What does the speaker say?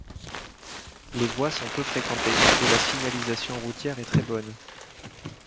Les voies sont peu fréquentées et la signalisation routière est très bonne.